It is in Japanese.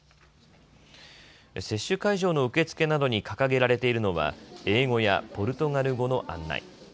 接種会場の受付などに掲げられているのは英語やポルトガル語の案内。